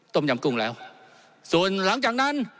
ต้มยำกุ้งแล้วส่วนหลังจากนั้น